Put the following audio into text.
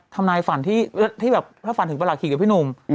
ถ้าฝันถึงประหลักขีกนี่พี่หนุ่ม